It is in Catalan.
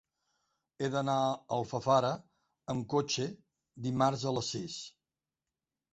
He d'anar a Alfafara amb cotxe dimarts a les sis.